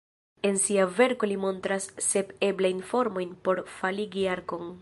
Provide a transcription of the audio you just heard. En sia verko li montras sep eblajn formojn por faligi arkon.